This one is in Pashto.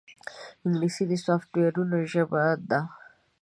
انګلیسي د سافټویرونو ژبه ده